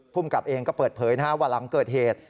ภูมิกับเองก็เปิดเผยว่าหลังเกิดเหตุ